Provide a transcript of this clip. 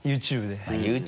ＹｏｕＴｕｂｅではい。